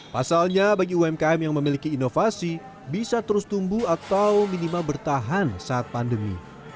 pasalnya bagi umkm yang memiliki inovasi bisa terus tumbuh atau minimal bertahan saat pandemi